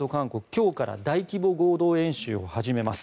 今日から大規模合同演習を始めます。